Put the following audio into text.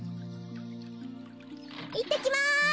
いってきます！